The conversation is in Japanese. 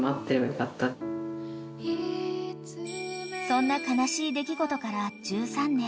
［そんな悲しい出来事から１３年］